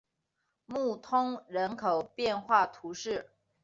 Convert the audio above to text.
穆通人口变化图示